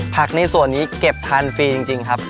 ในส่วนนี้เก็บทานฟรีจริงครับ